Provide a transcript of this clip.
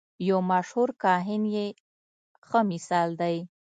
یو مشهور کاهن یې ښه مثال دی.